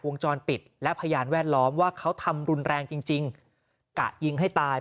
วงจรปิดและพยานแวดล้อมว่าเขาทำรุนแรงจริงจริงกะยิงให้ตาย